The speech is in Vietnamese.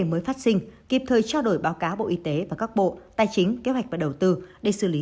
mới phát sinh kịp thời trao đổi báo cáo bộ y tế và các bộ tài chính kế hoạch và đầu tư để xử lý